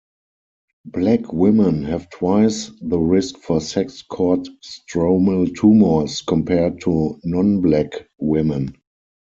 Black women have twice the risk for sex cord-stromal tumors compared to non-Black women.